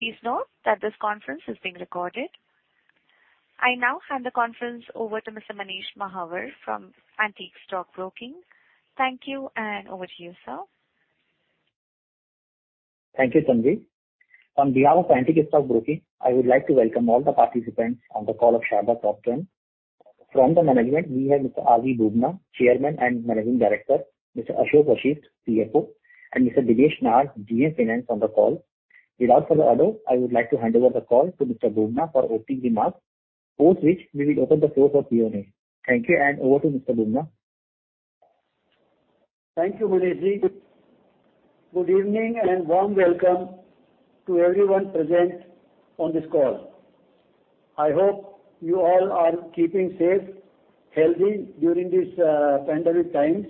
Please note that this conference is being recorded. I now hand the conference over to Mr. Manish Mahawar from Antique Stock Broking. Thank you, and over to you, sir. Thank you, Sanjay. On behalf of Antique Stock Broking, I would like to welcome all the participants on the call of Sharda Cropchem. From the management, we have Mr. R.V. Bubna, Chairman and Managing Director, Mr. Ashok Vashist, CFO, and Mr. Dinesh Mehar, GM Finance on the call. Without further ado, I would like to hand over the call to Mr. R.V. Bubna for opening remarks, post which we will open the floor for Q&A. Thank you, and over to Mr. R.V. Bubna. Thank you, Manishji. Good evening, and warm welcome to everyone present on this call. I hope you all are keeping safe, healthy during these pandemic times.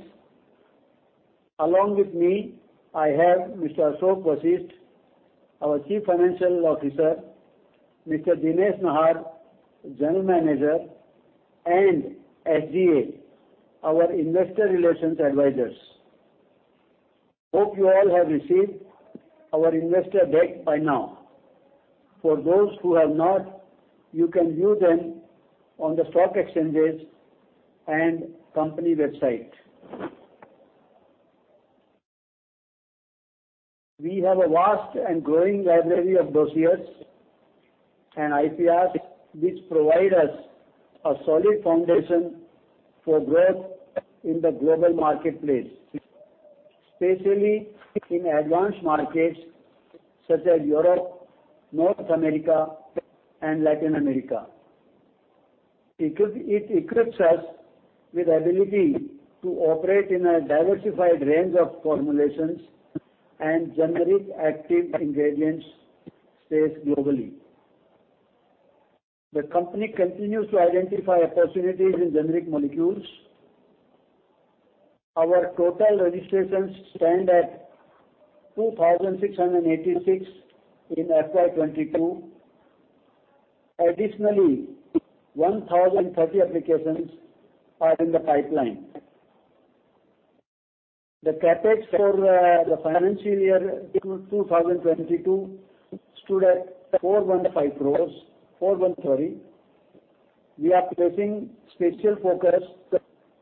Along with me, I have Mr. Ashok Vashisht, our Chief Financial Officer, Mr. Dinesh Mehar, General Manager, and SGA, our investor relations advisors. Hope you all have received our investor deck by now. For those who have not, you can view them on the stock exchanges and company website. We have a vast and growing library of dossiers and IPRs which provide us a solid foundation for growth in the global marketplace, especially in advanced markets such as Europe, North America, and Latin America. It equips us with ability to operate in a diversified range of formulations and generic active ingredients space globally. The company continues to identify opportunities in generic molecules. Our total registrations stand at 2,686 in FY22. Additionally, 1,030 applications are in the pipeline. The CapEx for the financial year 2022 stood at 415 crore, 413. We are placing special focus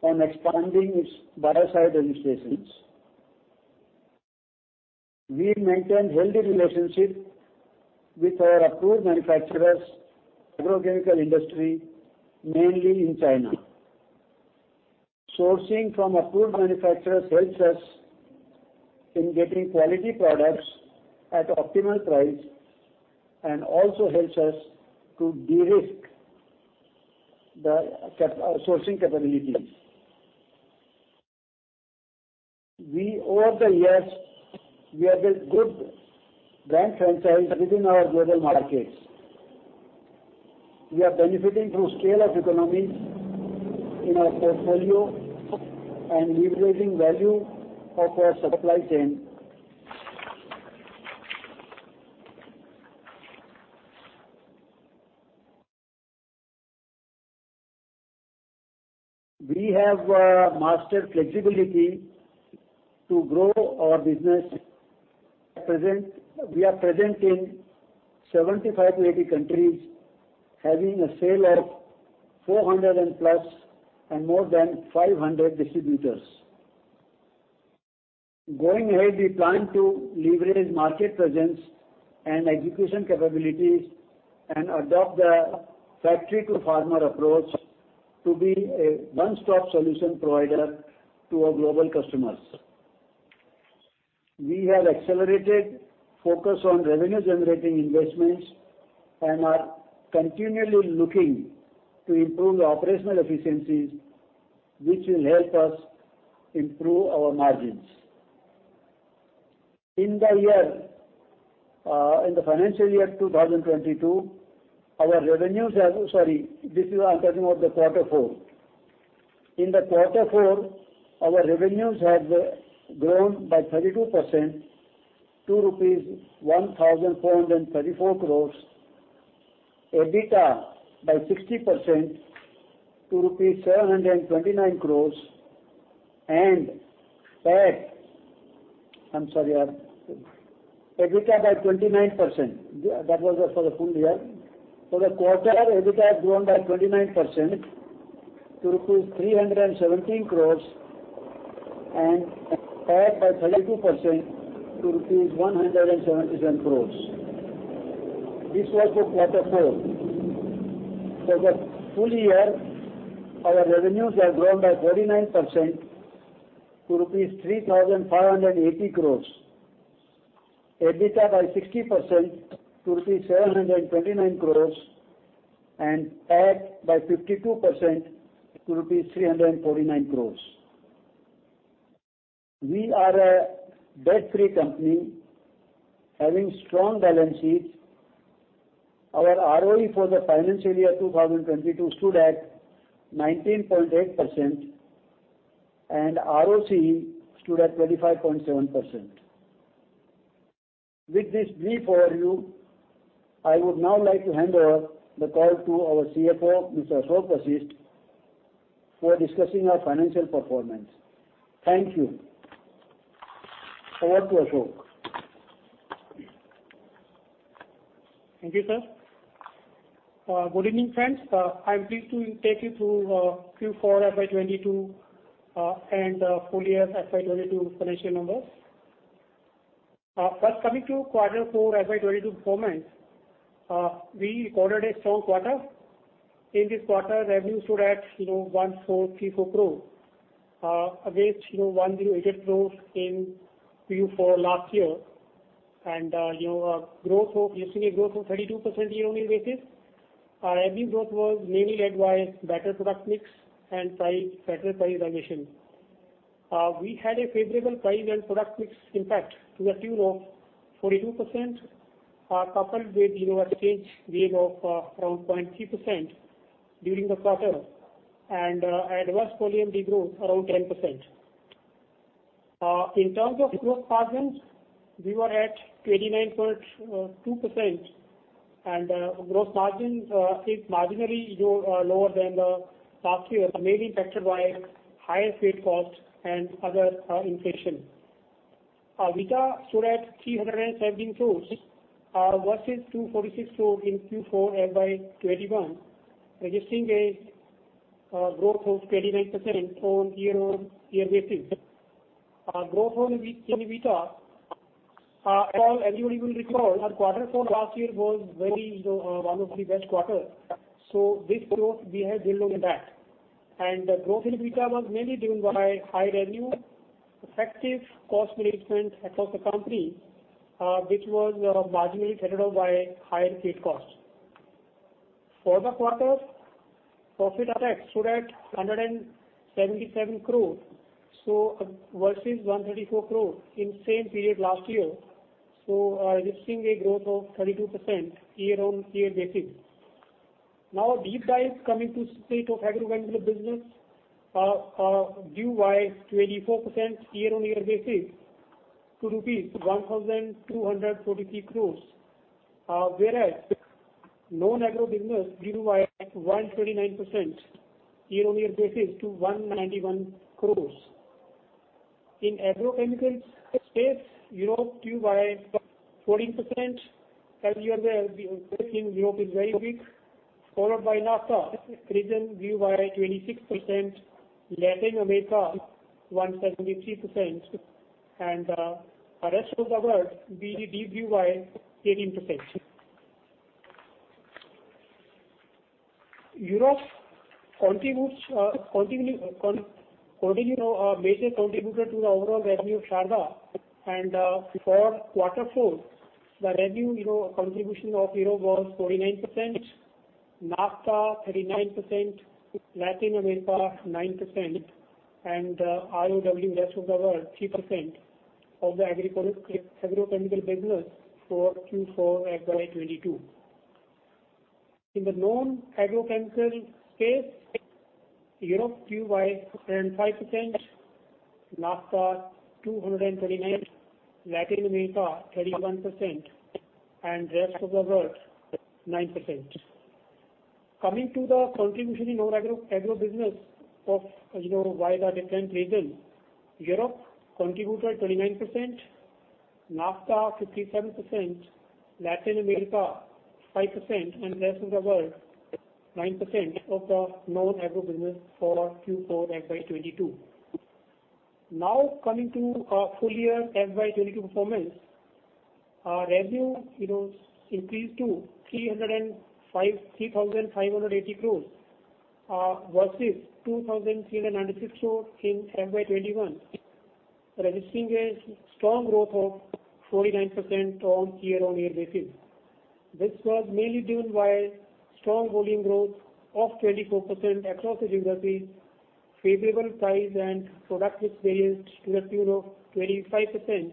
on expanding its biocide registrations. We maintain healthy relationship with our approved manufacturers, agrochemical industry, mainly in China. Sourcing from approved manufacturers helps us in getting quality products at optimal price and also helps us to de-risk the sourcing capabilities. Over the years, we have built good brand franchise within our global markets. We are benefiting through economies of scale in our portfolio and leveraging value of our supply chain. We have mastered flexibility to grow our business. We are present in 75-80 countries, having a sale of 400+ and more than 500 distributors. Going ahead, we plan to leverage market presence and execution capabilities and adopt the factory-to-farmer approach to be a one-stop solution provider to our global customers. We have accelerated focus on revenue-generating investments and are continually looking to improve the operational efficiencies, which will help us improve our margins. In the year, in the financial year 2022, our revenues have. Sorry, this is, I'm talking about the quarter four. In the quarter four, our revenues have grown by 32% to 1,434 crore, EBITDA by 60% to 729 crore and PAT. I'm sorry, EBITDA by 29%. That was for the full year. For the quarter, EBITDA has grown by 29% to rupees 317 crore and PAT by 32% to rupees 177 crore. This was for quarter four. For the full year, our revenues have grown by 39% to rupees 3,580 crore, EBITDA by 60% to rupees 729 crore, and PAT by 52% to rupees 349 crore. We are a debt-free company having strong balance sheet. Our ROE for the financial year 2022 stood at 19.8% and ROCE stood at 25.7%. With this brief overview, I would now like to hand over the call to our CFO, Mr. Ashok Vashisht for discussing our financial performance. Thank you. Over to Ashok. Thank you, sir. Good evening, friends. I'm pleased to take you through Q4 FY 2022 and full year FY 2022 financial numbers. First coming to quarter four FY 2022 performance, we recorded a strong quarter. In this quarter, revenue stood at, you know, 1,434 crore against, you know, 1,088 crore in Q4 last year, and, you know, witnessing a growth of 32% year-on-year basis. Our revenue growth was mainly led by better product mix and price, better price realization. We had a favorable price and product mix impact to the tune of 42%, coupled with, you know, exchange gain of around 0.3% during the quarter and adverse volume degrowth around 10%. In terms of gross margins, we were at 29.2% and gross margins is marginally lower than the last year, mainly impacted by higher freight costs and other inflation. Our EBITDA stood at 317 crore versus 246 crore in Q4 FY21, registering a growth of 29% on year-on-year basis. Our growth in EBITDA, after all, as you would even recall, our quarter four last year was very, you know, one of the best quarter. This growth we have delivered back. The growth in EBITDA was mainly driven by high revenue, effective cost management across the company, which was marginally headed up by higher freight costs. For the quarter, profit after tax stood at 177 crore versus 134 crore in same period last year, witnessing a growth of 32% year-on-year basis. Now a deep dive coming to split of agro and business, grew by 24% year-on-year basis to INR 1,243 crore. Whereas non-agro business grew by 129% year-on-year basis to 191 crore. In agrochemicals space, Europe grew by 14%, the growth in Europe is very weak, followed by NAFTA region grew by 26%, Latin America 173%, and rest of the world, ROTW grew by 18%. Europe contributes already, you know, a major contributor to the overall revenue of Sharda and for quarter four, the revenue, you know, contribution of Europe was 49%, NAFTA 39%, Latin America 9%, and ROW, rest of the world, 3% of the agrochemical business for Q4 FY22. In the non-agrochemical space, Europe grew by 5%, NAFTA 239%, Latin America 31%, and rest of the world 9%. Coming to the contribution in our agro business of, you know, by the different region, Europe contributed 29%, NAFTA 57%, Latin America 5%, and rest of the world 9% of the non-agro business for Q4 FY22. Now coming to our full year FY22 performance, our revenue, you know, increased to 3,580 crore versus 2,396 crore in FY21, registering a strong growth of 49% on year-on-year basis. This was mainly driven by strong volume growth of 24% across the geography, favorable price and product mix variance to the tune of 25%,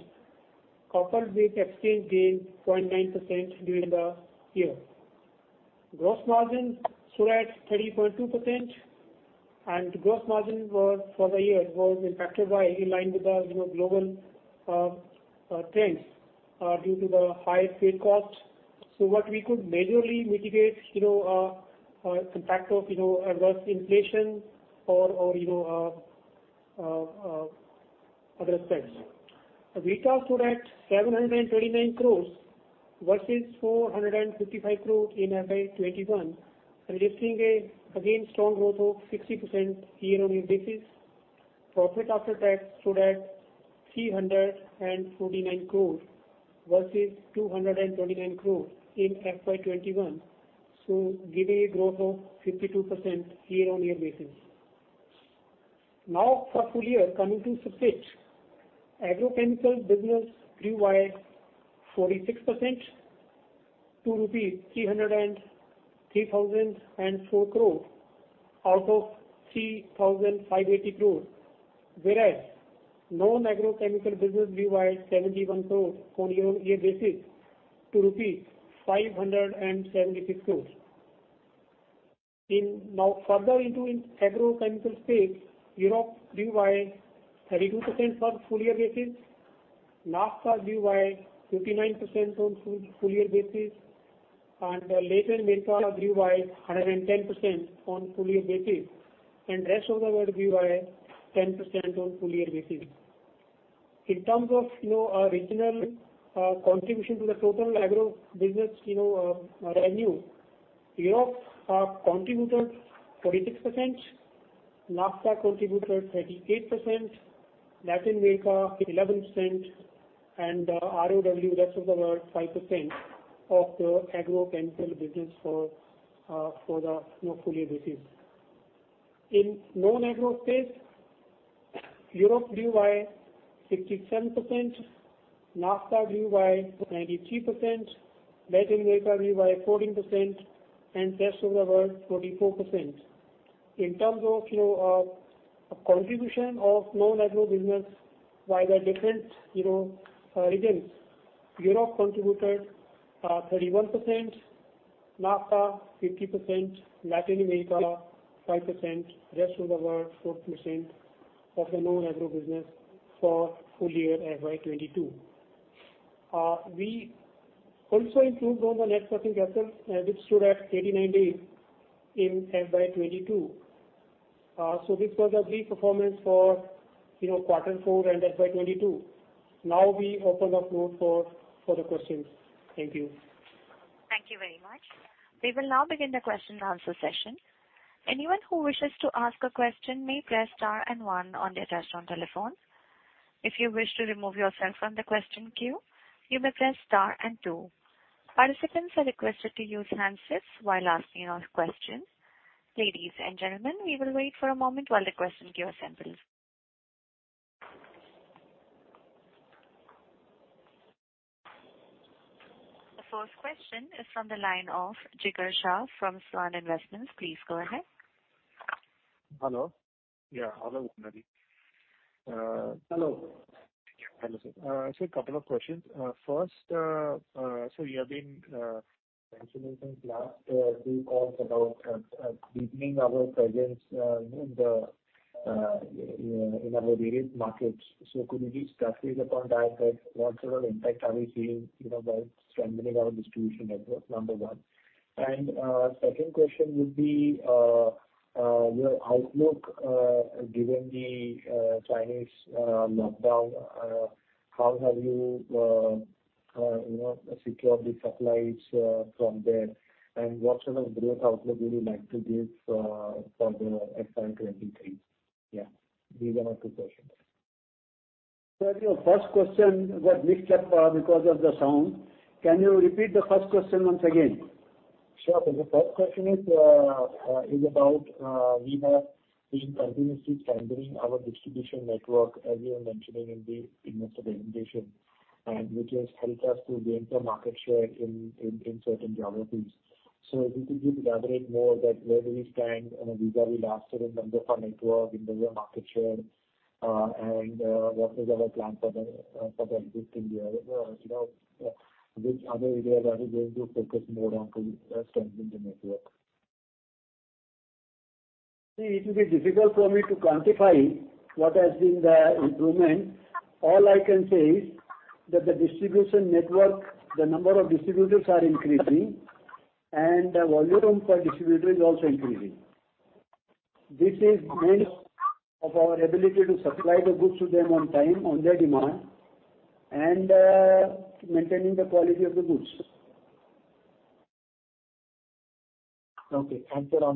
coupled with exchange gain 0.9% during the year. Gross margin stood at 30.2% and gross margin, for the year, was impacted, aligning with the, you know, global trends due to the high freight costs. What we could majorly mitigate, you know, the impact of, you know, adverse inflation or, you know, other aspects. EBITDA stood at 729 crores versus 455 crore in FY21, registering again strong growth of 60% year-over-year basis. Profit after tax stood at 349 crore versus 229 crore in FY21, giving a growth of 52% year-over-year basis. Now for full year, coming to split. Agrochemical business grew by 46% to 3,034 crore out of 3,580 crore, whereas non-agrochemical business grew by 71 crore year-over-year basis to 576 crores. Now further into agrochemical space, Europe grew by 32% for full year basis. NAFTA grew by 59% on full year basis, and Latin America grew by 110% on full year basis, and rest of the world grew by 10% on full year basis. In terms of, you know, regional, contribution to the total agro business, you know, revenue, Europe, contributed 46%, NAFTA contributed 38%, Latin America 11%, and, ROW, rest of the world, 5% of the agrochemical business for the, you know, full year basis. In non-agro space, Europe grew by 67%, NAFTA grew by 93%, Latin America grew by 14%, and rest of the world 44%. In terms of, you know, contribution of non-agro business by the different, you know, regions, Europe contributed 31%, NAFTA 50%, Latin America 5%, rest of the world 4% of the non-agro business for full year FY22. We also improved on the net working capital, which stood at 89 days in FY22. This was a brief performance for quarter four and FY22. Now we open the floor for the questions. Thank you. Thank you very much. We will now begin the question - and - answer session. Anyone who wishes to ask a question may press star and one on their touch-tone telephone. If you wish to remove yourself from the question queue, you may press star and two. Participants are requested to use handsets while asking your questions. Ladies and gentlemen, we will wait for a moment while the question queue assembles. The first question is from the line of Jigar Shah from Swan Investment. Please go ahead. Hello. Yeah. Hello, Unnati. Hello. Thank you. Hello, sir. Couple of questions. First, you have been mentioning since last two calls about deepening our presence in our various markets. Could you please elaborate upon that, what sort of impact are we seeing, you know, by strengthening our distribution network? Number one. Second question would be, your outlook, given the Chinese lockdown, how have you know, secured the supplies from there? And what sort of growth outlook would you like to give for the FY23? Yeah, these are my two questions. Sir, your first question got mixed up, because of the sound. Can you repeat the first question once again? Sure. The first question is about we have been continuously strengthening our distribution network, as you were mentioning in the investor presentation, and which has helped us to gain some market share in certain geographies. If you could just elaborate more that where do we stand vis-à-vis last year number for network, in terms of market share, and what is our plan for the rest of India? You know which other areas are we going to focus more on to strengthen the network? See, it will be difficult for me to quantify what has been the improvement. All I can say is that the distribution network, the number of distributors are increasing and volume per distributor is also increasing. This is mainly due to our ability to supply the goods to them on time, on their demand, and maintaining the quality of the goods. Sir, on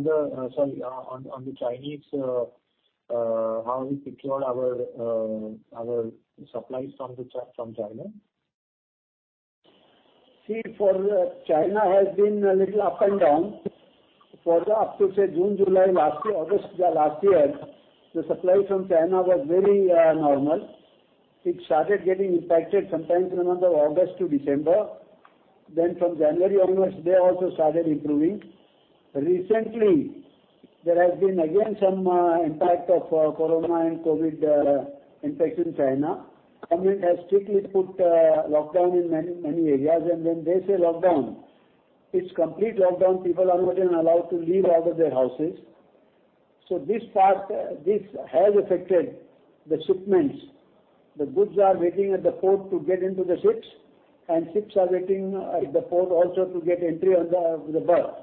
the Chinese, how we secure our supplies from China? See, for China has been a little up and down. For the up to say June, July last year, August last year, the supply from China was very normal. It started getting impacted sometime from around August to December. From January onwards, they also started improving. Recently, there has been again some impact of corona and COVID impact in China. The government has strictly put lockdown in many, many areas. When they say lockdown, it's complete lockdown. People are not even allowed to leave out of their houses. This part, this has affected the shipments. The goods are waiting at the port to get into the ships, and ships are waiting at the port also to get entry on the berth.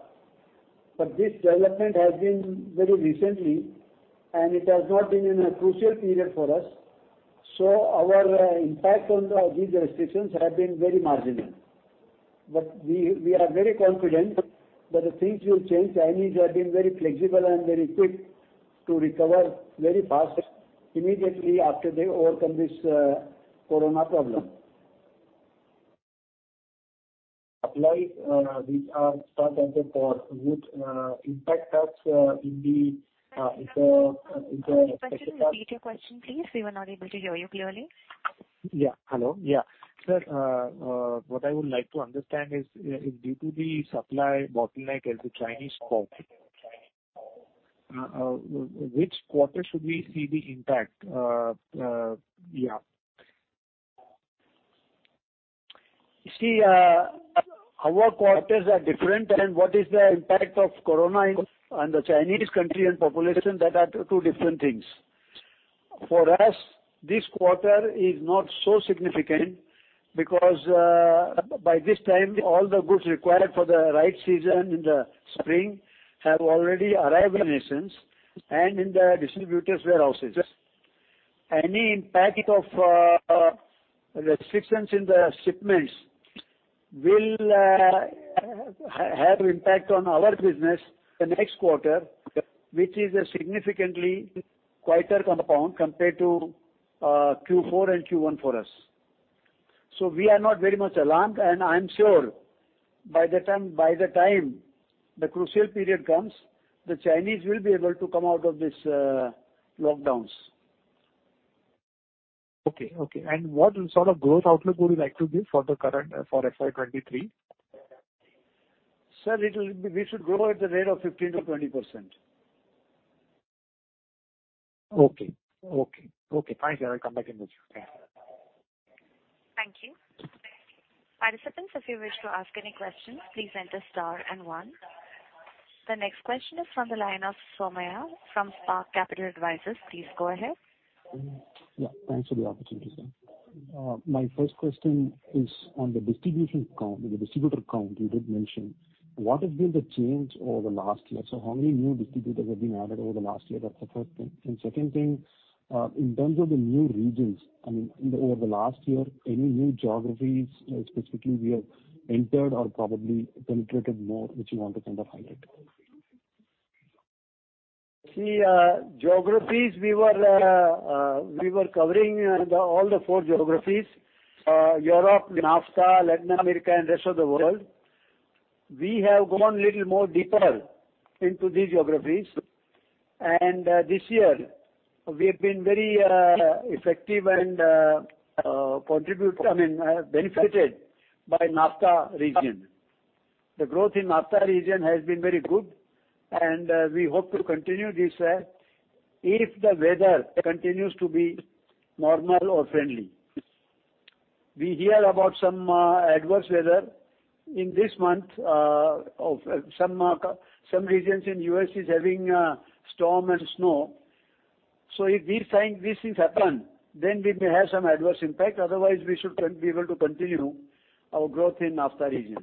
This development has been very recently, and it has not been in a crucial period for us. Our impact on these restrictions have been very marginal. We are very confident that the things will change. Chinese have been very flexible and very quick to recover very fast immediately after they overcome this corona problem. Supply, which are standard for which impact us in the second half. Sir, can you repeat your question, please? We were not able to hear you clearly. Yeah. Hello? Yeah. Sir, what I would like to understand is, due to the supply bottleneck at the Chinese port, which quarter should we see the impact? Yeah. See, our quarters are different and what is the impact of corona in on the Chinese country and population, that are two different things. For us, this quarter is not so significant because by this time all the goods required for the right season in the spring have already arrived in nations and in the distributors' warehouses. Any impact of restrictions in the shipments will have impact on our business the next quarter, which is a significantly quieter compound compared to Q4 and Q1 for us. We are not very much alarmed, and I'm sure by the time the crucial period comes, the Chinese will be able to come out of this lockdowns. Okay. What sort of growth outlook would you like to give for FY23? Sir, we should grow at the rate of 15%-20%. Okay, thank you. I'll come back in touch. Yeah. Thank you. Participants, if you wish to ask any questions, please enter star and one. The next question is from the line of Rohith P. from Spark Capital Advisors. Please go ahead. Yeah, thanks for the opportunity, sir. My first question is on the distribution count. In the distributor count you did mention, what has been the change over the last year? So how many new distributors have been added over the last year? That's the first thing. Second thing, in terms of the new regions, I mean over the last year, any new geographies, specifically we have entered or probably penetrated more, which you want to kind of highlight? See, geographies we were covering all the four geographies, Europe, NAFTA, Latin America, and rest of the world. We have gone little more deeper into these geographies, and this year we have been very effective and, I mean, benefited by NAFTA region. The growth in NAFTA region has been very good and we hope to continue this if the weather continues to be normal or friendly. We hear about some adverse weather in this month of some regions in U.S. is having storm and snow. If these things happen, then we may have some adverse impact. Otherwise, we should be able to continue our growth in NAFTA region.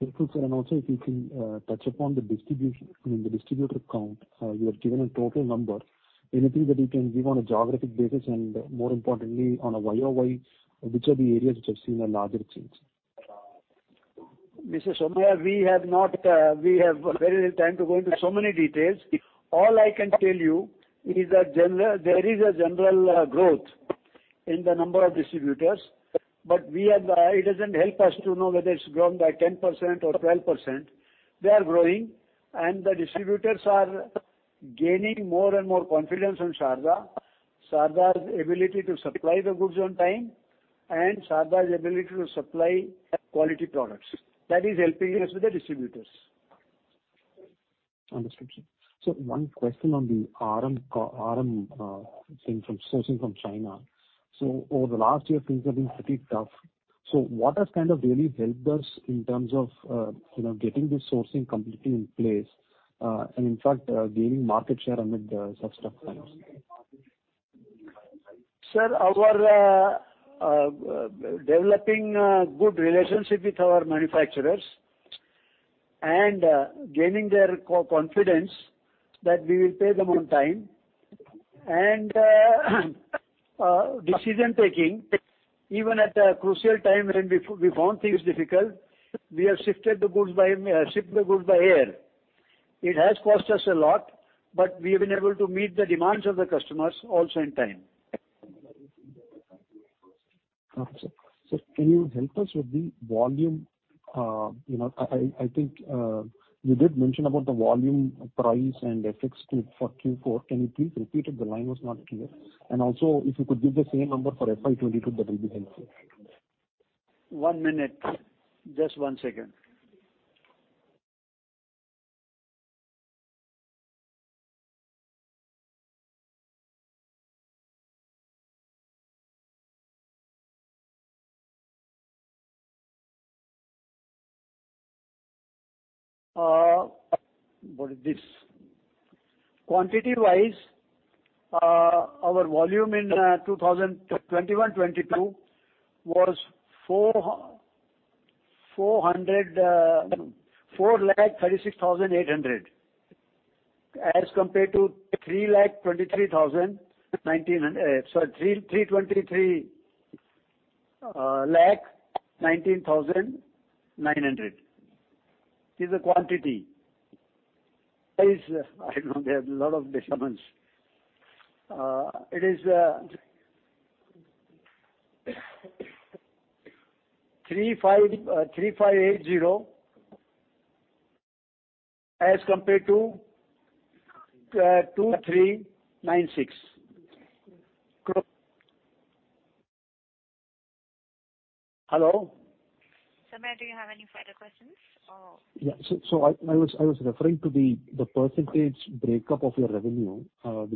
Thank you, sir. Also if you can, touch upon the distribution, I mean the distributor count, you have given a total number. Anything that you can give on a geographic basis and more importantly, on a YOY, which are the areas which have seen a larger change? Mr. Somaiah, we have very little time to go into so many details. All I can tell you is there is a general growth in the number of distributors, but it doesn't help us to know whether it's grown by 10% or 12%. They are growing, and the distributors are gaining more and more confidence on Sharda. Sharda's ability to supply the goods on time and Sharda's ability to supply quality products. That is helping us with the distributors. Understood, sir. One question on the RM thing from sourcing from China. Over the last year, things have been pretty tough. What has kind of really helped us in terms of, you know, getting this sourcing completely in place, and in fact, gaining market share amid such tough times? Sir, our developing good relationship with our manufacturers and gaining their confidence that we will pay them on time. Decision-taking, even at a crucial time when we found things difficult, we have shipped the goods by air. It has cost us a lot, but we've been able to meet the demands of the customers also in time. Okay, sir. Sir, can you help us with the volume? You know, I think you did mention about the volume, price, and FX too for Q4. Can you please repeat it? The line was not clear. Also, if you could give the same number for FY22, that will be helpful. One minute. Just one second. What is this? Quantity-wise, our volume in 2021-22 was 404 lakh 36,800, as compared to 323 lakh 19,900. This is the quantity. Price, I know they have lot of decimals. It is INR 3,580, as compared to INR 2,396. Cro- Hello. Sir, do you have any further questions or? Yeah. I was referring to the percentage breakup of your revenue, that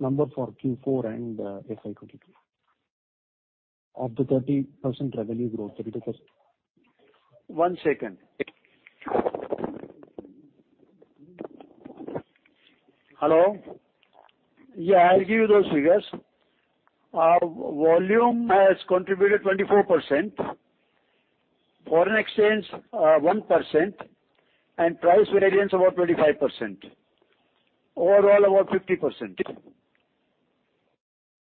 number for Q4 and FY22. Of the 30% revenue growth that occurred. One second. Hello. Yeah, I'll give you those figures. Volume has contributed 24%, foreign exchange 1%, and price variance about 25%. Overall about 50%.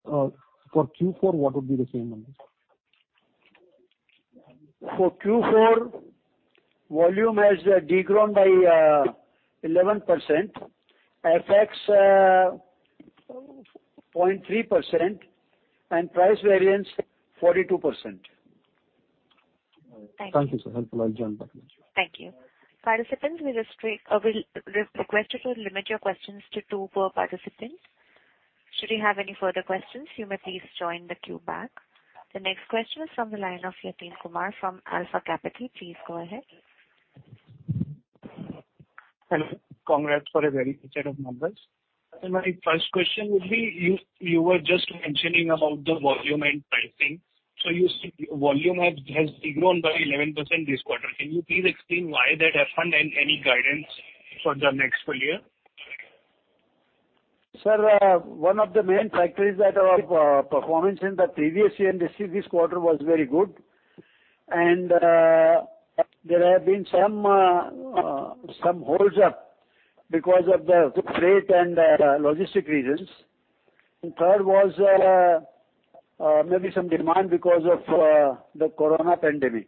For Q4 what would be the same numbers? For Q4, volume has de-grown by 11%, FX 0.3%, and price variance 42%. All right. Thank you. Thank you, sir. Helpful. I'll join back. Thank you. Participants, we'll request you to limit your questions to two per participant. Should you have any further questions, you may please join the queue back. The next question is from the line of Yatin Kumar from Alpha Capital. Please go ahead. Hello. Congrats for a very good set of numbers. My first question would be, you were just mentioning about the volume and pricing. You see volume has de-grown by 11% this quarter. Can you please explain why that happened, and any guidance for the next full year? Sir, one of the main factors that our performance in the previous year and this year this quarter was very good. There have been some hold-ups because of the freight and logistic reasons. Third was maybe some demand because of the corona pandemic.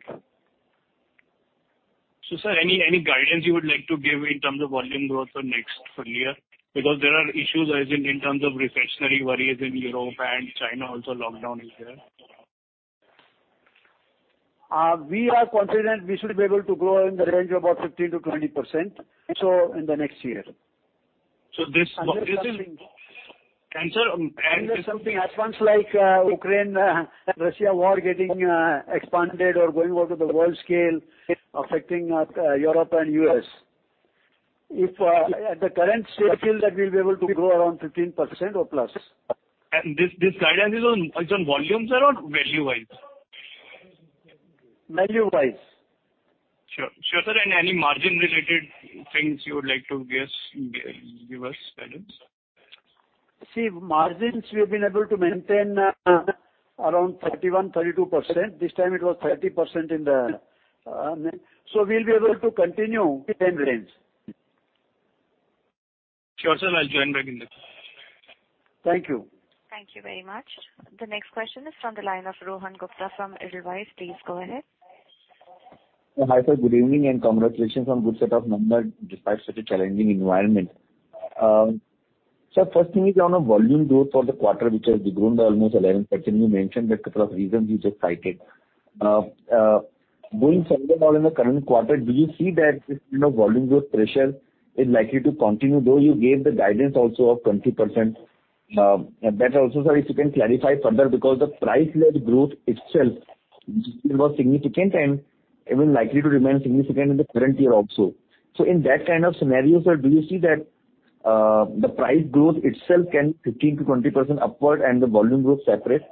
Sir, any guidance you would like to give in terms of volume growth for next full year? Because there are issues as in terms of recessionary worries in Europe and China also lockdown is there. We are confident we should be able to grow in the range of about 15%-20%, so in the next year. So this- Unless something- Can sir- Unless something happens like Ukraine-Russia war getting expanded or going over to the world scale, affecting Europe and U.S. If at the current state, feel that we'll be able to grow around 15% or +. This guidance is on volumes or on value-wise? Value-wise. Sure. Sure, sir. Any margin-related things you would like to guess, give us guidance? See, margins we've been able to maintain around 31%-32%. This time it was 30%. We'll be able to continue the same range. Sure, sir. I'll join back in this. Thank you. Thank you very much. The next question is from the line of Rohan Gupta from Edelweiss. Please go ahead. Hi, sir. Good evening, and congratulations on good set of numbers despite such a challenging environment. Sir, first thing is on a volume growth for the quarter, which has de-grown by almost 11%. You mentioned the couple of reasons you just cited. Going forward in the current quarter, do you see that this, you know, volume growth pressure is likely to continue, though you gave the guidance also of 20%? That also, sir, if you can clarify further because the price-led growth itself was significant and even likely to remain significant in the current year also. In that kind of scenario, sir, do you see that, the price growth itself can 15%-20% upward and the volume growth separate?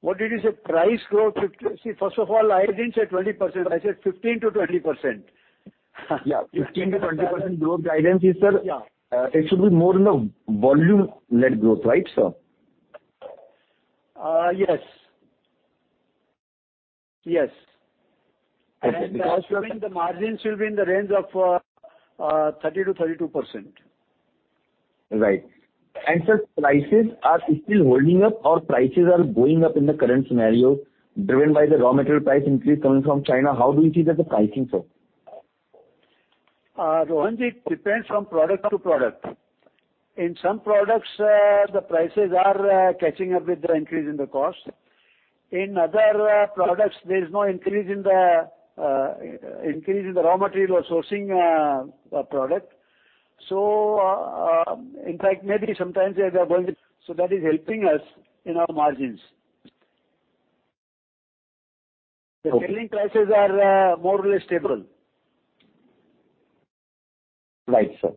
What did you say? See, first of all, I didn't say 20%. I said 15%-20%. Yeah. 15%-20% growth guidance is, sir. Yeah. It should be more, you know, volume-led growth, right, sir? Yes. Yes. Okay. The margins will be in the range of 30%-32%. Right. Sir, prices are still holding up or prices are going up in the current scenario driven by the raw material price increase coming from China. How do you see that, the pricing, sir? Rohan, it depends from product to product. In some products, the prices are catching up with the increase in the cost. In other products, there is no increase in the raw material or sourcing product. In fact, maybe sometimes they are going, so that is helping us in our margins. Okay. The selling prices are, more or less stable. Right, sir.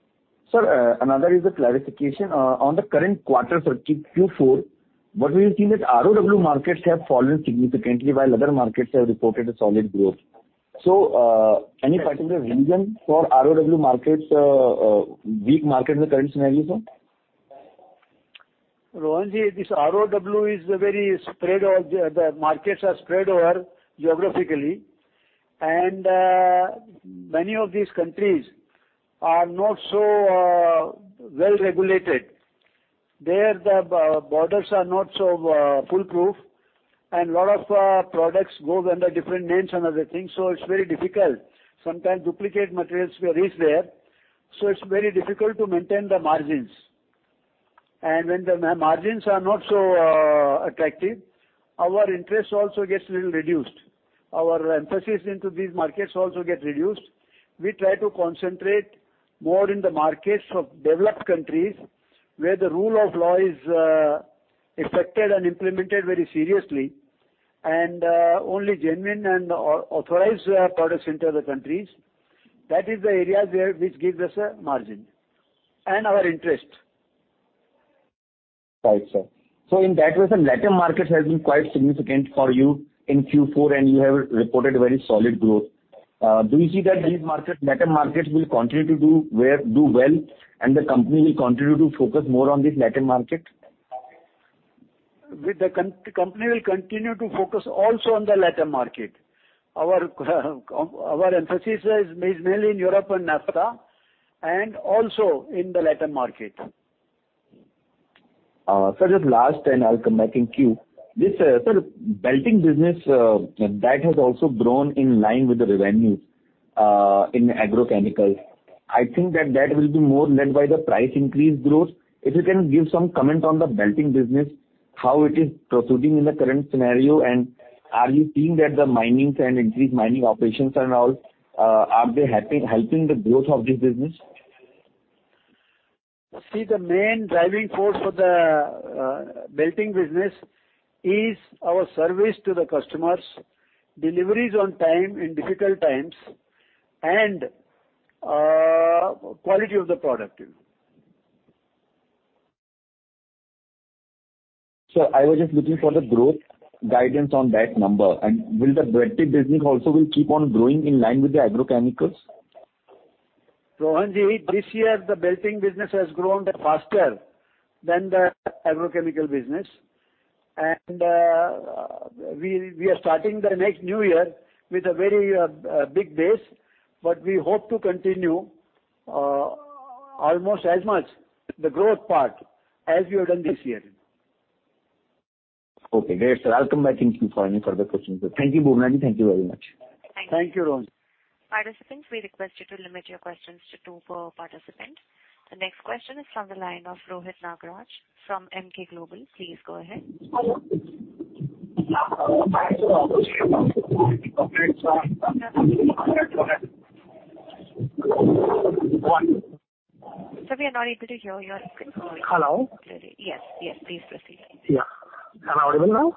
Sir, another is a clarification. On the current quarter for Q4, what we have seen that ROW markets have fallen significantly while other markets have reported a solid growth. Any particular reason for ROW markets, weak market in the current scenario, sir? Rohan, this ROW is very spread out, the markets are spread over geographically, and many of these countries are not so well-regulated. Their borders are not so foolproof, and a lot of products go under different names and other things, so it's very difficult. Sometimes duplicate materials will reach there, so it's very difficult to maintain the margins. When the margins are not so attractive, our interest also gets a little reduced. Our emphasis into these markets also get reduced. We try to concentrate more in the markets of developed countries where the rule of law is effective and implemented very seriously, and only genuine and authorized products enter the countries. That is the area which gives us a margin and our interest. Right, sir. In that way, the LATAM market has been quite significant for you in Q4, and you have reported very solid growth. Do you see that these markets, LATAM markets will continue to do well and the company will continue to focus more on this LATAM market? The company will continue to focus also on the LATAM market. Our emphasis is mainly in Europe and NAFTA and also in the LATAM market. Sir, just last, and I'll come back in queue. This sir, belting business that has also grown in line with the revenues in agrochemicals. I think that will be more led by the price increase growth. If you can give some comment on the belting business, how it is proceeding in the current scenario, and are you seeing that the mines and increased mining operations and all are they helping the growth of this business? See, the main driving force for the belting business is our service to the customers, deliveries on time in difficult times, and quality of the product. Sir, I was just looking for the growth guidance on that number. Will the belting business also keep on growing in line with the agrochemicals? Rohan ji, this year the belting business has grown faster than the agrochemical business. We are starting the next new year with a very big base. We hope to continue almost as much the growth part as we have done this year. Okay, great, sir. I'll come back in queue for any further questions. Thank you, Bubna ji. Thank you very much. Thank you, Rohan. Participants, we request you to limit your questions to two per participant. The next question is from the line of Rohit Nagraj from Emkay Global. Please go ahead. Sir, we are not able to hear you. Hello. Yes, yes. Please proceed. Yeah. Am I audible now?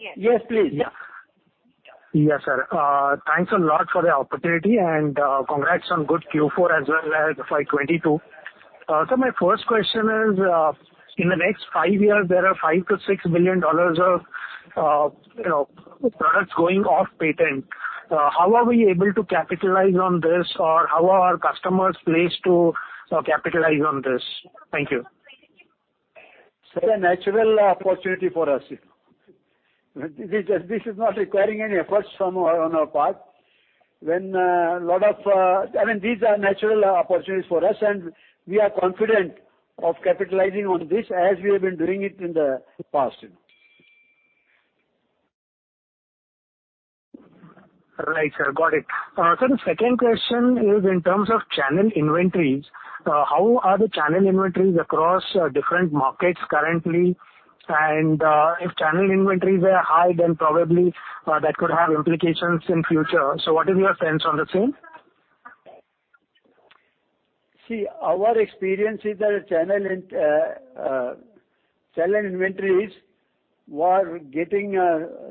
Yes. Yes, please. Yeah. Yes, sir. Thanks a lot for the opportunity and, congrats on good Q4 as well as FY22. Sir, my first question is, in the next five years, there are $5 billion-$6 billion of, you know, products going off patent. How are we able to capitalize on this? Or how are our customers placed to capitalize on this? Thank you. It's a natural opportunity for us. This is not requiring any efforts from our, on our part. I mean, these are natural opportunities for us, and we are confident of capitalizing on this as we have been doing it in the past. Right, sir. Got it. Sir, the second question is in terms of channel inventories. How are the channel inventories across different markets currently? If channel inventories are high, then probably that could have implications in future. What is your sense on the same? See, our experience is that channel inventories were getting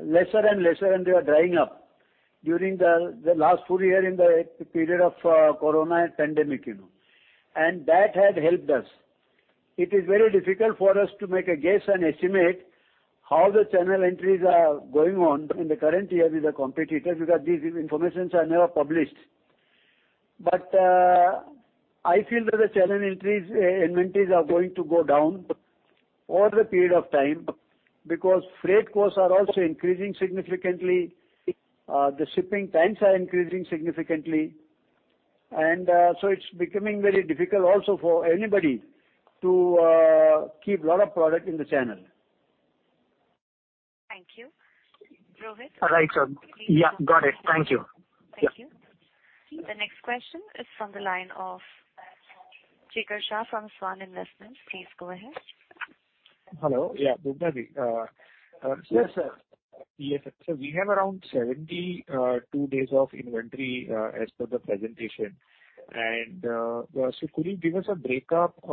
less and less, and they were drying up during the last full year in the period of corona pandemic, you know. That had helped us. It is very difficult for us to make a guess and estimate how the channel inventories are going on in the current year with the competitors, because this information is never published. I feel that the channel inventories are going to go down over a period of time because freight costs are also increasing significantly, the shipping times are increasing significantly. It's becoming very difficult also for anybody to keep a lot of product in the channel. Thank you. Rohit. All right, sir. Yeah, got it. Thank you. Thank you. The next question is from the line of Chirag Shah from Swan Investments. Please go ahead. Hello. Yeah, Bubna ji, Yes, sir. Yes, sir. We have around 72 days of inventory, as per the presentation. Could you give us a breakup, and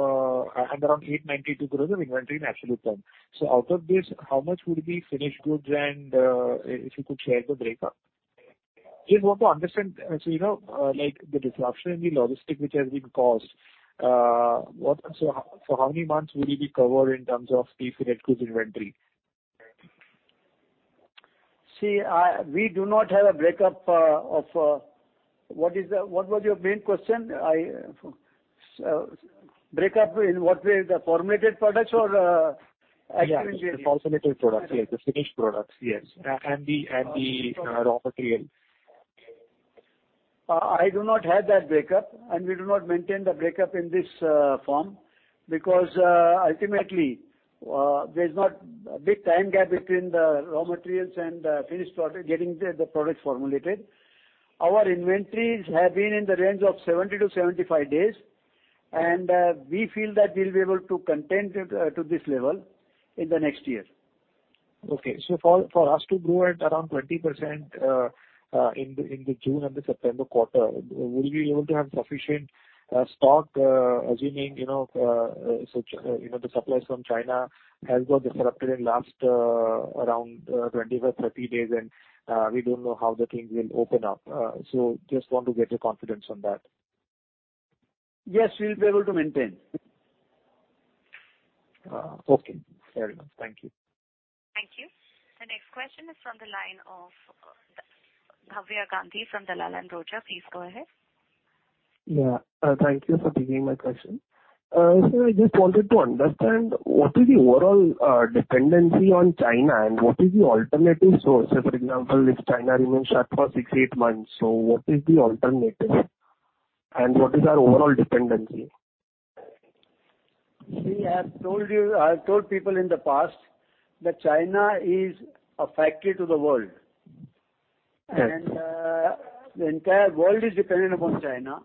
around 8.2% growth of inventory in absolute terms. Out of this, how much would be finished goods and, if you could share the breakup. Just want to understand, so you know, like the disruption in the logistics which has been caused. So how many months will you be covered in terms of finished goods inventory? See, we do not have a break up. What was your main question? Break up in what way? The formulated products or active ingredients? Yeah. The formulated products. Yes, the finished products. Yes. And the raw material. I do not have that break up, and we do not maintain the break up in this form because ultimately, there's not a big time gap between the raw materials and the finished product getting the products formulated. Our inventories have been in the range of 70-75 days, and we feel that we'll be able to contain it to this level in the next year. For us to grow at around 20%, in the June and the September quarter, will we be able to have sufficient stock, assuming you know the suppliers from China has got disrupted in last around 25-30 days, and we don't know how the things will open up. Just want to get your confidence on that. Yes, we'll be able to maintain. Okay. Very well. Thank you. Thank you. The next question is from the line of, Bhavya Gandhi from Dalal & Broacha. Please go ahead. Thank you for taking my question. I just wanted to understand what is the overall dependency on China, and what is the alternative source? For example, if China remains shut for six to eight months, so what is the alternative, and what is our overall dependency? See, I've told people in the past that China is a factory to the world. Yes. The entire world is dependent upon China.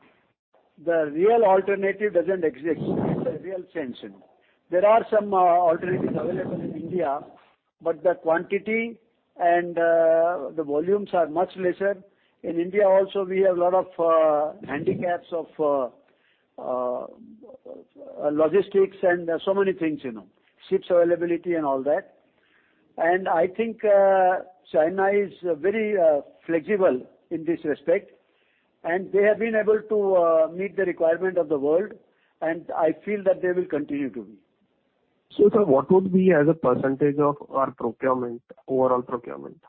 The real alternative doesn't exist in the real sense. There are some alternatives available in India, but the quantity and the volumes are much lesser. In India also, we have a lot of handicaps of logistics and so many things, you know, ships availability and all that. I think China is very flexible in this respect, and they have been able to meet the requirement of the world, and I feel that they will continue to be. Sir, what would be as a percentage of our procurement, overall procurement?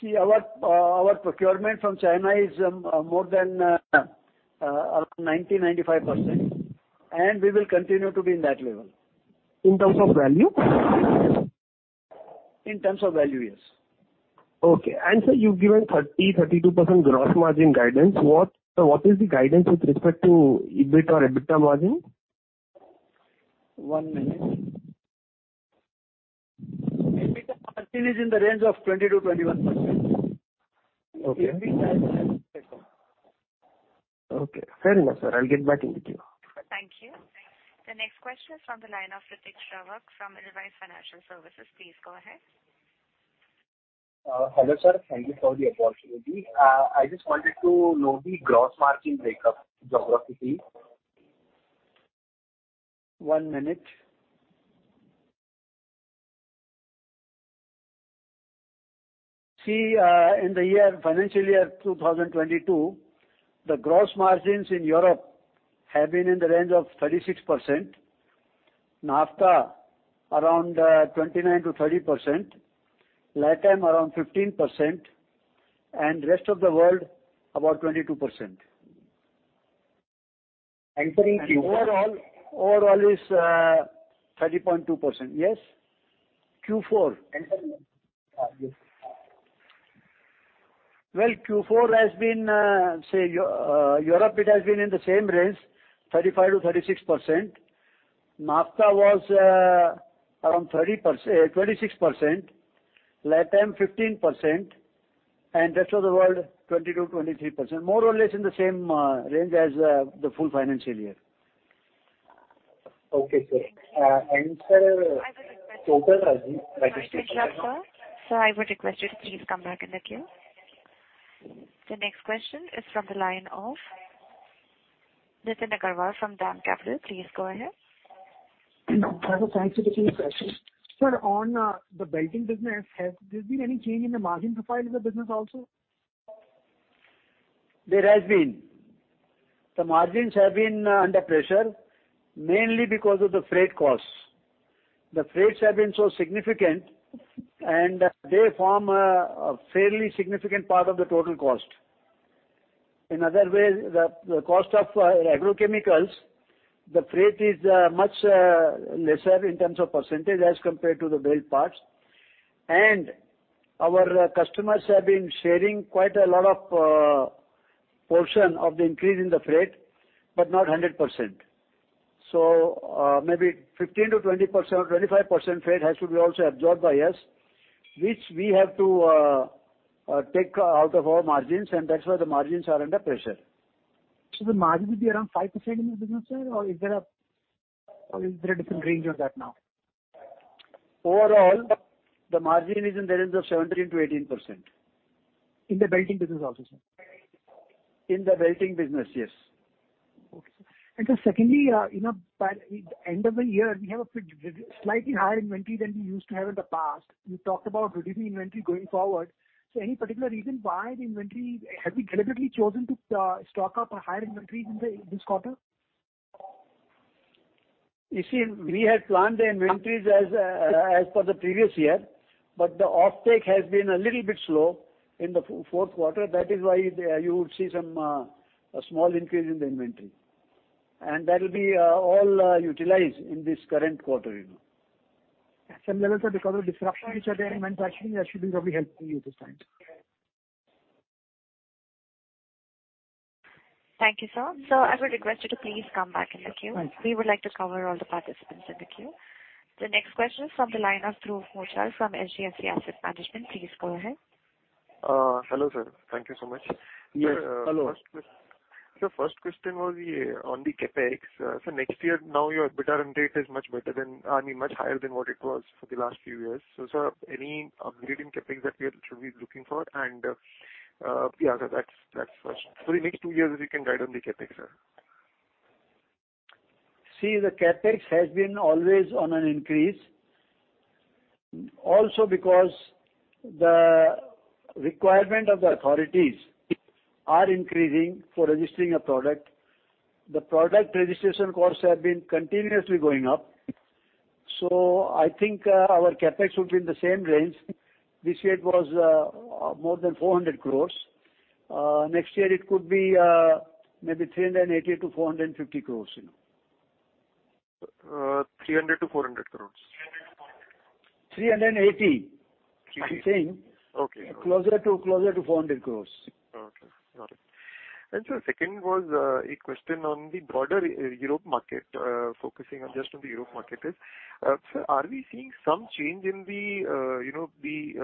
See, our procurement from China is more than around 90-95%, and we will continue to be in that level. In terms of value? In terms of value, yes. Okay. Sir, you've given 32% gross margin guidance. Sir, what is the guidance with respect to EBIT or EBITDA margin? One minute. EBITDA margin is in the range of 20%-21%. Okay. EBIT Okay. Very well, sir. I'll get back in the queue. Thank you. The next question is from the line of Ritik Kumar from Edelweiss Financial Services. Please go ahead. Hello, sir. Thank you for the opportunity. I just wanted to know the gross margin break-up by geography. One minute. See, in the year, financial year 2022, the gross margins in Europe have been in the range of 36%, NAFTA around 29%-30%, LATAM around 15%, and rest of the world about 22%. Entering Q4. Overall is 30.2%. Yes? Q4. Entering, yes. Well, Q4 has been, say, Europe, it has been in the same range, 35%-36%. NAFTA was 26%, LATAM 15%, and rest of the world, 20%-23%. More or less in the same range as the full financial year. Okay, sir. Thank you. Sir. I would request you. Total revenue Ritik Srivastava, sir, I would request you to please come back in the queue. The next question is from the line of Nitin Agarwal from DAM Capital. Please go ahead. Hello. Thank you for taking the question. Sir, on the belting business, has there been any change in the margin profile of the business also? There has been. The margins have been under pressure, mainly because of the freight costs. The freights have been so significant, and they form a fairly significant part of the total cost. In other words, the cost of agrochemicals, the freight is much lesser in terms of percentage as compared to the bulk parts. Our customers have been sharing quite a lot of portion of the increase in the freight, but not 100%. Maybe 15%-20% or 25% freight has to be also absorbed by us, which we have to take out of our margins, and that's why the margins are under pressure. The margin will be around 5% in this business, sir, or is there a different range of that now? Overall, the margin is in the range of 17%-18%. In the belting business also, sir? In the belting business, yes. Okay, sir. Sir, secondly, you know, by end of the year, we have a slightly higher inventory than we used to have in the past. You talked about reducing inventory going forward. Any particular reason why the inventory? Have we deliberately chosen to stock up a higher inventory in this quarter? You see, we had planned the inventories as per the previous year, but the offtake has been a little bit slow in the Q4. That is why you would see a small increase in the inventory. That'll be all utilized in this current quarter, you know. Some level of recovery disruption which are there in manufacturing, that should also be helping you this time. Thank you, sir. I would request you to please come back in the queue. We would like to cover all the participants in the queue. The next question is from the line of Dhruv Muchhal from HDFC Asset Management. Please go ahead. Hello, sir. Thank you so much. Yes. Hello. Sir, first question was on the CapEx. Next year now your return rate is much better than, I mean, much higher than what it was for the last few years. Sir, any upgrade in CapEx that we should be looking for? That's first. For the next two years, if you can guide on the CapEx, sir. See, the CapEx has been always on an increase. Also because the requirement of the authorities are increasing for registering a product. The product registration costs have been continuously going up. I think, our CapEx would be in the same range. This year it was more than 400 crore. Next year it could be maybe 380 crore-450 crore. 300-400 crores. 380. 380. I'm saying. Okay. Closer to 400 crores. Okay, got it. Second was a question on the broader Europe market, focusing on the Europe market. Sir, are we seeing some change in the, you know, the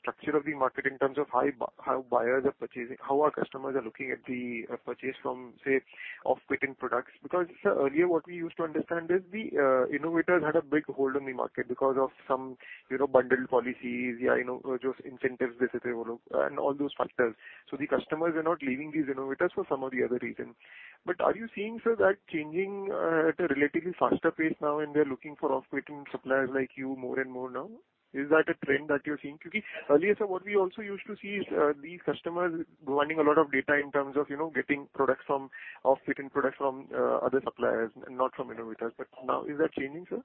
structure of the market in terms of how buyers are purchasing, how our customers are looking at the purchase from, say, off-patent products? Because, sir, earlier what we used to understand is the innovators had a big hold on the market because of some, you know, bundled policies. Yeah, you know, just incentives and all those factors. The customers are not leaving these innovators for some or the other reason. Are you seeing, sir, that changing at a relatively faster pace now, and they're looking for off-patent suppliers like you more and more now? Is that a trend that you're seeing? Earlier, sir, what we also used to see is, the customers wanting a lot of data in terms of, you know, getting off-patent products from other suppliers and not from innovators. Now is that changing, sir?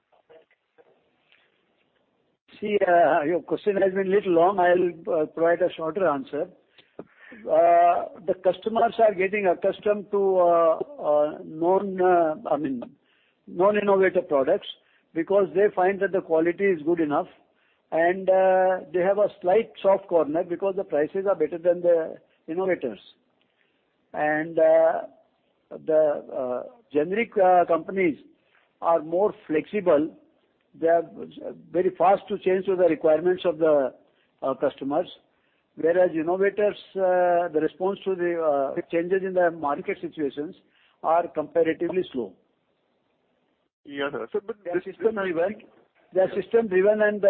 See, your question has been a little long. I'll provide a shorter answer. The customers are getting accustomed to, I mean, non-innovator products because they find that the quality is good enough and they have a slight soft corner because the prices are better than the innovators. The generic companies are more flexible. They are very fast to change to the requirements of the customers. Whereas innovators, the response to the changes in the market situations are comparatively slow. Yeah. They are system-driven and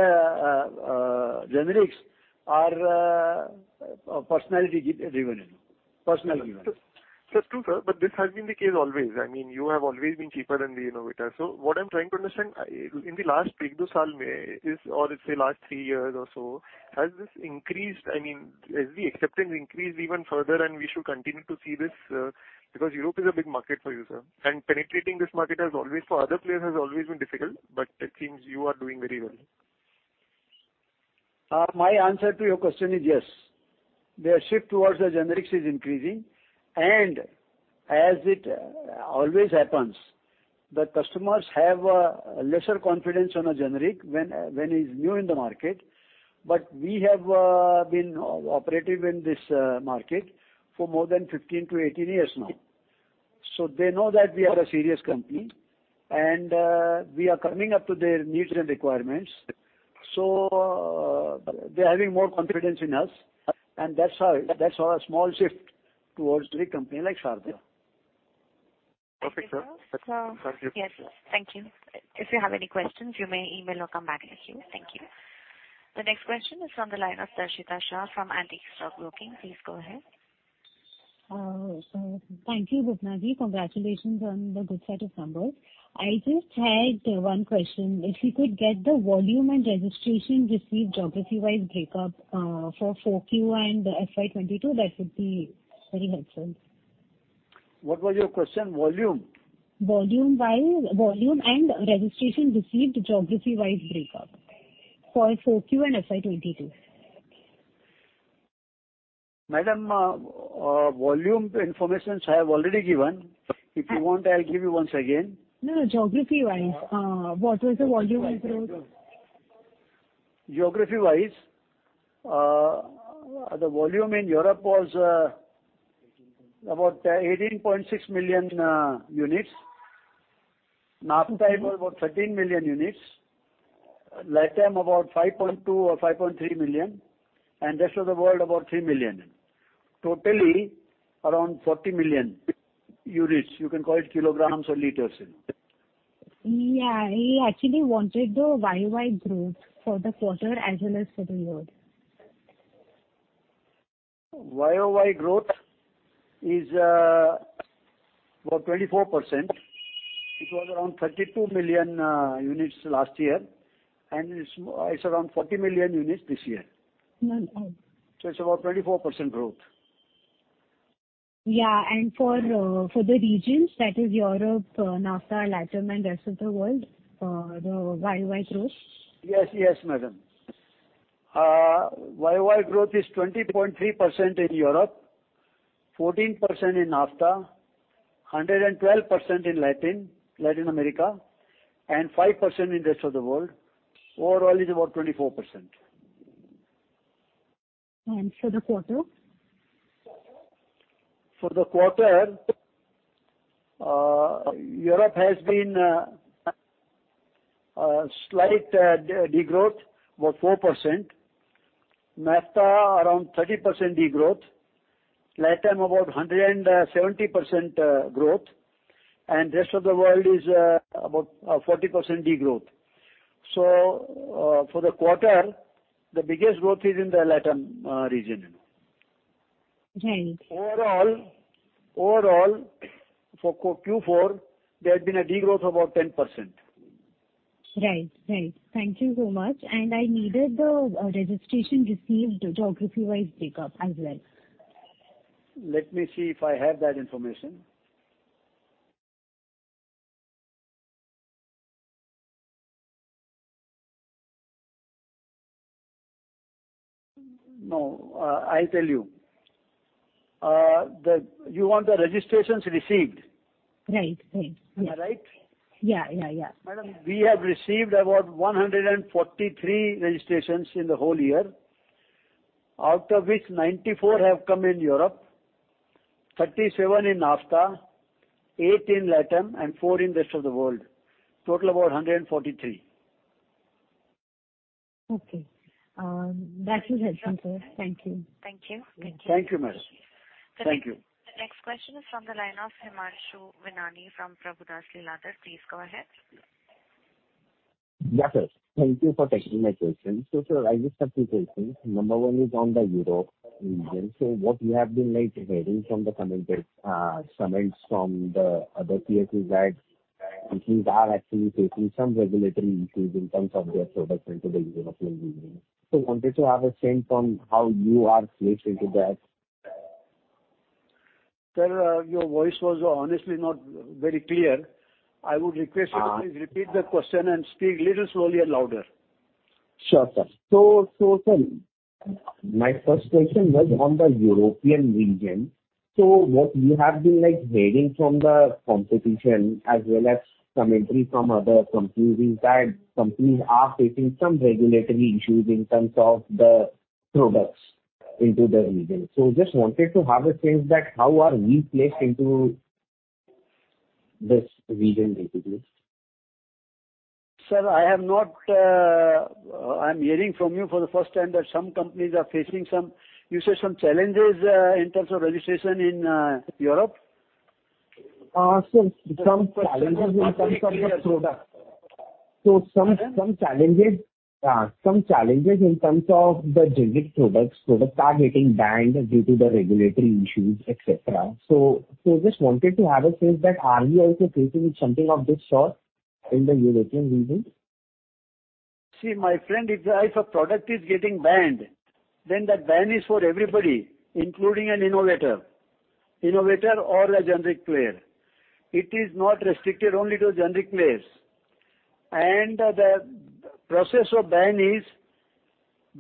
generics are personality driven, you know. That's true, sir, but this has been the case always. I mean, you have always been cheaper than the innovator. What I'm trying to understand, in the last two-three years or let's say last three years or so, has this increased? I mean, has the acceptance increased even further, and we should continue to see this, because Europe is a big market for you, sir. Penetrating this market has always been difficult for other players, but it seems you are doing very well. My answer to your question is yes. Their shift towards the generics is increasing, and as it always happens, the customers have a lesser confidence on a generic when it's new in the market. We have been operative in this market for more than 15-18 years now. They know that we are a serious company and we are coming up to their needs and requirements. They're having more confidence in us, and that's how a small shift towards the company like Sharda. Perfect, sir. Thank you. Yes, thank you. If you have any questions, you may email or come back in the queue. Thank you. The next question is from the line of Darshita Shah from Antique Stock Broking. Please go ahead. Thank you, Bubna ji. Congratulations on the good set of numbers. I just had one question. If we could get the volume and registration received geography-wise break up for 4Q and FY22, that would be very helpful. What was your question? Volume? Volume-wise, volume and registration received geography-wise breakup for Q4 and FY22. Madam, volume information I have already given. If you want, I'll give you once again. No, no. Geography-wise, what was the volume-wise growth? Geography-wise, the volume in Europe was about 18.6 million units. NAFTA about 13 million units, LATAM about 5.2 or 5.3 million, and rest of the world about 3 million. Totally around 40 million units. You can call it kilograms or liters. Yeah. I actually wanted the YOY growth for the quarter as well as for the year. YOY growth is about 24%. It was around 32 million units last year, and it's around 40 million units this year. Mm-hmm. It's about 24% growth. Yeah. For the regions, that is Europe, NAFTA, LATAM and rest of the world, the YOY growth. Yes, yes, madam. YOY growth is 20.3% in Europe, 14% in NAFTA, 112% in Latin America, and 5% in rest of the world. Overall is about 24%. For the quarter? For the quarter, Europe has been a slight degrowth, about 4%. NAFTA around 30% degrowth. LATAM about 170% growth. Rest of the world is about 40% degrowth. For the quarter, the biggest growth is in the LATAM region, you know. Right. Overall for Q4 there has been a degrowth of about 10%. Right. Thank you so much. I needed the registration received geography-wise break-up as well. Let me see if I have that information. No. I'll tell you. You want the registrations received? Right. Right. Yeah. Am I right? Yeah. Yeah. Yeah. Madam, we have received about 143 registrations in the whole year, out of which 94 have come in Europe, 37 in NAFTA, eight in LATAM, and four in rest of the world. Total about 143. Okay. That will help me, sir. Thank you. Thank you. Thank you. Thank you, madam. Thank you. The next question is from the line of Himanshu Binani from Prabhudas Lilladher. Please go ahead. Yeah, sir. Thank you for taking my question. Sir, I just have two questions. Number one is on the Europe region. What we have been like hearing from the competitors, comments from the other CEOs that companies are actually facing some regulatory issues in terms of their products in the European region. Wanted to have a sense on how you are placed in that. Sir, your voice was honestly not very clear. I would request you to please repeat the question and speak little slowly and louder. Sure, sir. Sir, my first question was on the European region. What we have been like hearing from the competition as well as commentary from other companies is that companies are facing some regulatory issues in terms of the products into the region. Just wanted to have a sense that how are we placed into this region basically? Sir, I have not. I'm hearing from you for the first time that some companies are facing some, you say some challenges, in terms of registration in Europe. some challenges in terms of the products. Huh? Some challenges in terms of the generic products. Products are getting banned due to the regulatory issues, et cetera. Just wanted to have a sense that are you also facing something of this sort in the European region? See, my friend, if a product is getting banned, then that ban is for everybody, including an innovator or a generic player. It is not restricted only to generic players. The process of ban is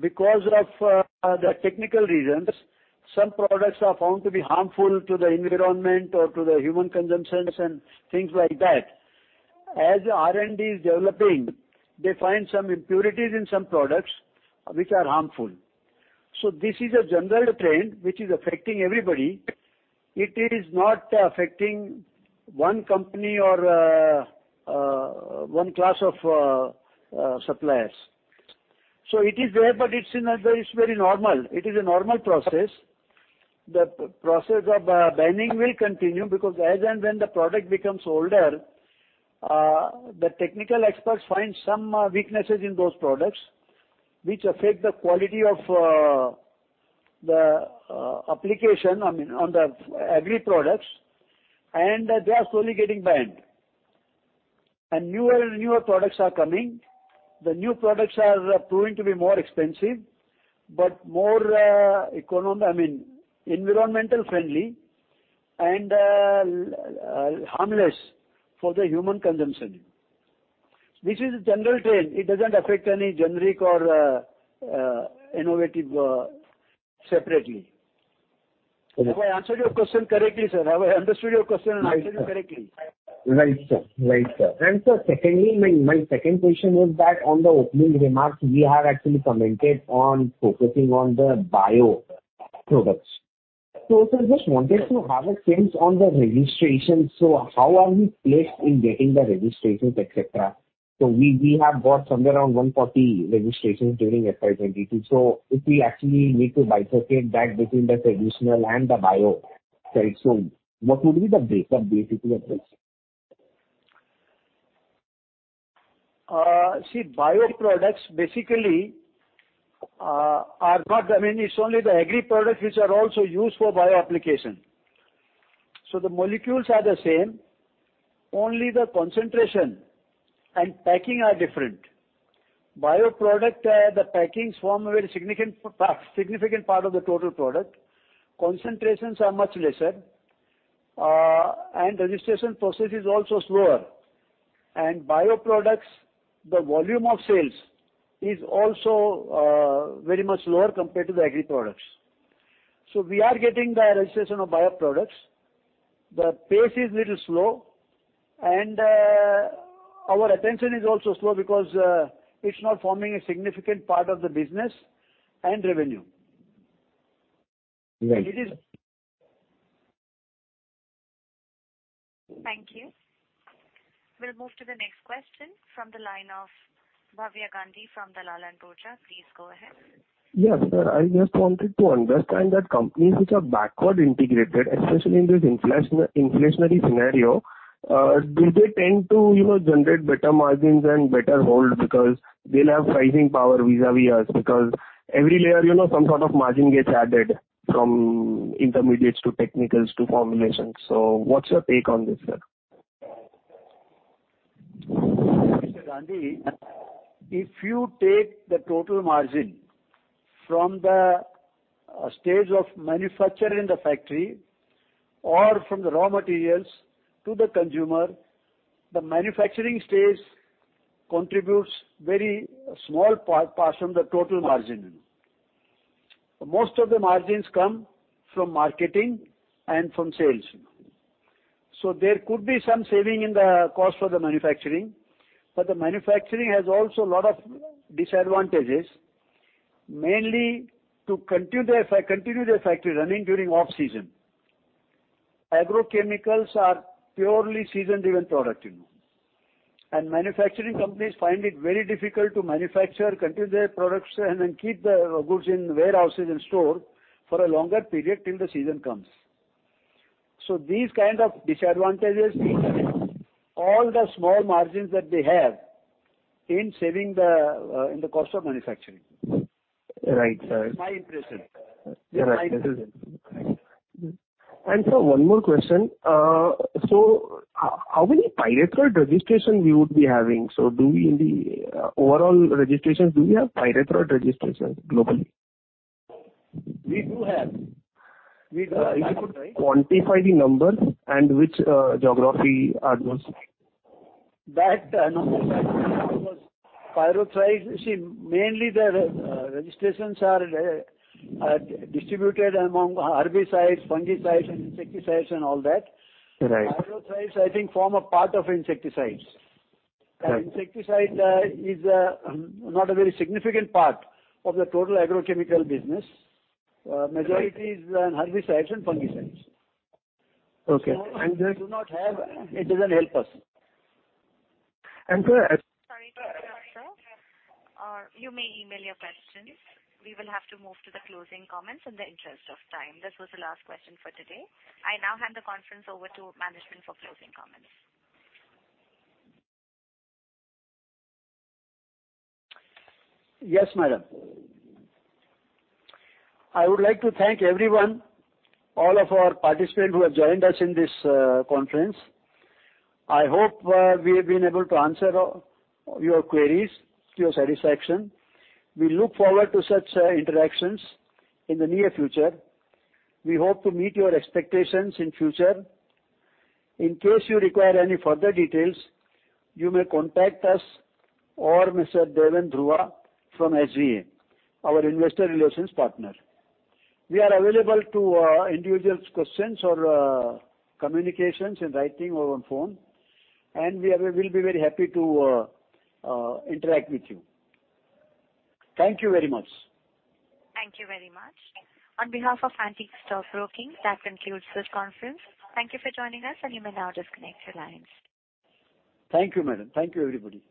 because of the technical reasons. Some products are found to be harmful to the environment or to the human consumptions and things like that. As R&D is developing, they find some impurities in some products which are harmful. This is a general trend which is affecting everybody. It is not affecting one company or one class of suppliers. It is there, but it's very normal. It is a normal process. The process of banning will continue because as and when the product becomes older, the technical experts find some weaknesses in those products which affect the quality of the application on the Agri-products, and they are slowly getting banned. Newer and newer products are coming. The new products are proving to be more expensive, but more, I mean, environmentally friendly and harmless for the human consumption. This is a general trend. It doesn't affect any generic or innovative separately. Have I answered your question correctly, sir? Have I understood your question and answered it correctly? Right, sir. Sir, secondly, my second question was that on the opening remarks you have actually commented on focusing on the bio products. Sir, just wanted to have a sense on the registration. How are we placed in getting the registrations, et cetera? We have got somewhere around 140 registrations during FY22. If we actually need to bifurcate that between the traditional and the bio trade, what would be the breakup basically of this? See, bioproducts basically are not. I mean, it's only the Agri products which are also used for bio application. The molecules are the same, only the concentration and packing are different. Bioproduct, the packings form a very significant part of the total product. Concentrations are much lesser, and registration process is also slower. Bioproducts, the volume of sales is also very much lower compared to the Agri products. We are getting the registration of bioproducts. The pace is a little slow, and our attention is also slow because it's not forming a significant part of the business and revenue. Right. It is- Thank you. We'll move to the next question from the line of Bhavya Gandhi from Dalal & Broacha. Please go ahead. Yes, sir. I just wanted to understand that companies which are backward integrated, especially in this inflationary scenario, do they tend to, you know, generate better margins and better hold because they'll have pricing power vis-à-vis us? Because every layer, you know, some sort of margin gets added from intermediates to technicals to formulations. What's your take on this, sir? Mr. Gandhi, if you take the total margin from the stage of manufacture in the factory or from the raw materials to the consumer, the manufacturing stage contributes very small part of the total margin. Most of the margins come from marketing and from sales. There could be some saving in the cost of the manufacturing, but the manufacturing has also a lot of disadvantages, mainly to continue the factory running during off-season. Agrochemicals are purely season-driven products, you know. Manufacturing companies find it very difficult to manufacture, continue their production, and keep the goods in warehouses and store for a longer period till the season comes. These kinds of disadvantages eat all the small margins that they have in saving in the cost of manufacturing. Right, sir. It's my impression. All right. It's my impression. Sir, one more question. How many pyrethroid registration we would be having? Do we in the overall registrations have pyrethroid registrations globally? We do have, right. If you could quantify the number and which geography are those? See, mainly the registrations are distributed among herbicides, fungicides, and insecticides and all that. Right. Pyrethroids, I think, form a part of insecticides. Right. Insecticides is not a very significant part of the total agrochemical business. Majority is in herbicides and fungicides. Okay. We do not have. It doesn't help us. And sir- Sorry to interrupt, sir. You may email your questions. We will have to move to the closing comments in the interest of time. This was the last question for today. I now hand the conference over to management for closing comments. Yes, madam. I would like to thank everyone, all of our participants who have joined us in this conference. I hope we have been able to answer your queries to your satisfaction. We look forward to such interactions in the near future. We hope to meet your expectations in future. In case you require any further details, you may contact us or Mr. Devendra Vengurlekar from SGA, our investor relations partner. We are available to individual questions or communications in writing or on phone, and we are, we'll be very happy to interact with you. Thank you very much. Thank you very much. On behalf of Antique Stock Broking, that concludes this conference. Thank you for joining us, and you may now disconnect your lines. Thank you, madam. Thank you, everybody.